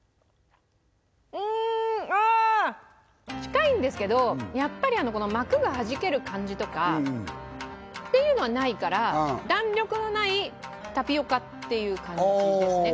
うんあ近いんですけどやっぱり膜がはじける感じとかっていうのはないから弾力のないタピオカっていう感じですね